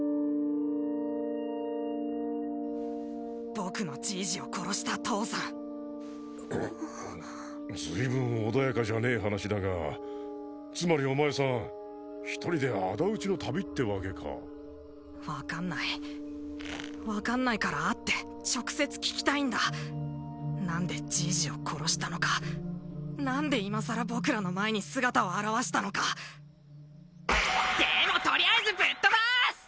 僕のじいじを殺した父さん随分穏やかじゃねえ話だがつまりお前さん一人であだ討ちの旅ってわけか分かんない分かんないから会って直接聞きたいんだ何でじいじを殺したのか何で今さら僕らの前に姿を現したのかでもとりあえずぶっ飛ばーす！